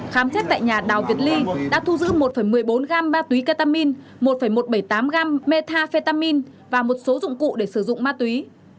khám xét tại nhà đào việt ly đã thu giữ một một mươi bốn gam ma túy ketamin một một trăm bảy mươi tám gram metafetamin và một số dụng cụ để sử dụng ma túy